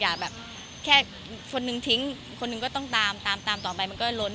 อยากแบบแค่คนหนึ่งทิ้งคนหนึ่งก็ต้องตามตามตามต่อไปมันก็ล้นสกปรกอะเนอะ